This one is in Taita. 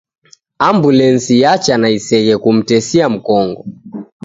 Ambulesi yacha na iseghe kumtesia mkongo.